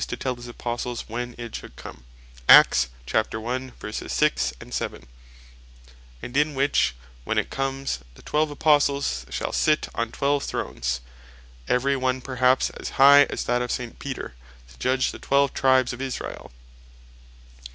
to tell his Apostles when it should come; and in which, when it comes, the twelve Apostles shall sit on twelve Thrones (every one perhaps as high as that of St. Peter) to judge the twelve tribes of Israel.